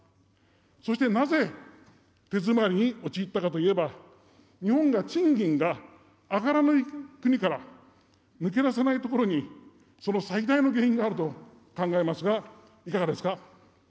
そして、なぜ手詰まりに陥ったかといえば、日本が賃金が上がらない国から抜け出せないところに、その最大の原因があると考えますが、いかがですか。